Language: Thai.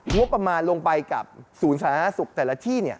ววบประมาณลงไปกับศูนย์สถานนาศุกร์แต่ละที่